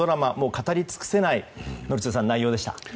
語りつくせないような宜嗣さん、内容でした。